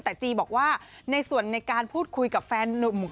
แต่จีบอกว่าในส่วนในการพูดคุยกับแฟนนุ่ม